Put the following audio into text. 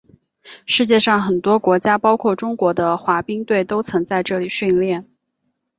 世界上很多国家包括中国的滑冰队都曾在这里训练。